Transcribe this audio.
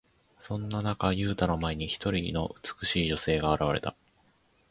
そんな中、ユウタの前に、一人の美しい女性が現れた。